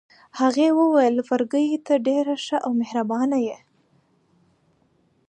هغې وویل: فرګي، ته ډېره ښه او مهربانه يې.